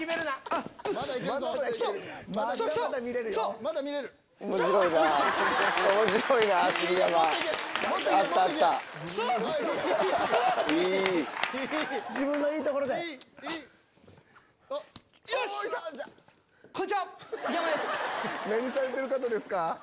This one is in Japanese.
何されてる方ですか？